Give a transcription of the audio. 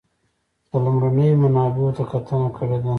د لومړنیو منابعو ته کتنه کړې ده.